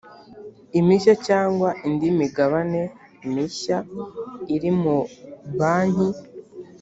imishya cyangwa indi migabane mishya iri mu banki